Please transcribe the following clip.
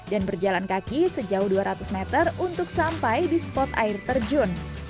dan berjalan kaki sejauh dua ratus meter untuk sampai di spot air terjun